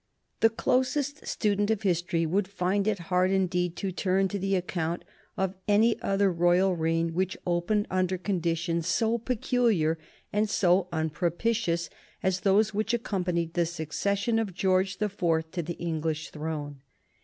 The closest student of history would find it hard indeed to turn to the account of any other royal reign which opened under conditions so peculiar and so unpropitious as those which accompanied the succession of George the Fourth to the English throne.